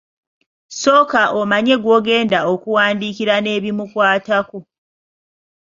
Sooka omanye gw'ogenda okuwandiikira n'ebimukwatako.